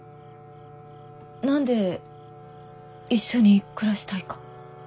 何で一緒に暮らしたいか。